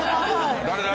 誰だ？